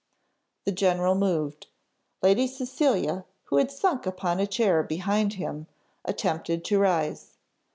The general moved. Lady Cecilia, who had sunk upon a chair behind him, attempted to rise.